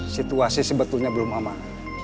situasi sebetulnya belum aman